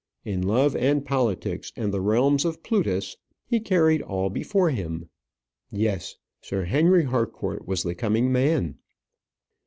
In love and politics and the realms of Plutus, he carried all before him. Yes, Sir Henry Harcourt was the coming man.